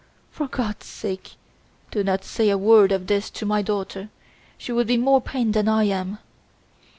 For God's sake, do not say a word of this to my daughter. She would be more pained than I am."